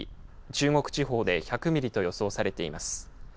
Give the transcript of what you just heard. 中国地方で１００ミリと予想されています。